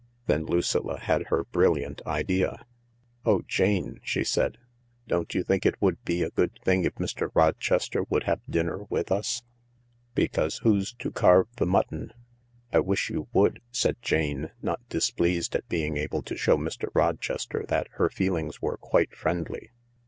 Then Lucilla had her brilliant idea. " Oh, Jane," she said, " don't you think it would be a good thing if Mr. Rochester would have dinner with us ? Because who's to carve the mutton ?"" I wish you would," said Jane, not displeased at being able to show Mr. Rochester that her feelings were quite friendly.